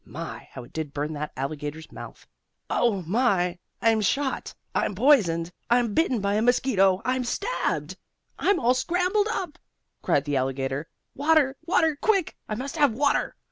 My! how it did burn that alligator's mouth. "Oh my! I'm shot! I'm poisoned! I'm bitten by a mosquito! I'm stabbed! I'm all scrambled up" cried the alligator. "Water, water, quick! I must have water!"